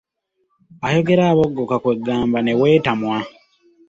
Ayogera aboggoka kwe ggamba ne weetamwa.